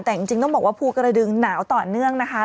แต่จริงต้องบอกว่าภูกระดึงหนาวต่อเนื่องนะคะ